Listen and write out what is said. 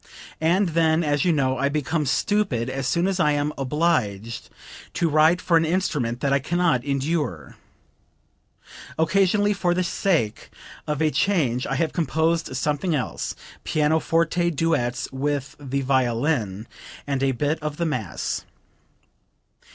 And then, as you know, I become stupid as soon as I am obliged to write for an instrument that I can not endure. Occasionally for the sake of a change I have composed something else pianoforte duets with the violin, and a bit of the mass."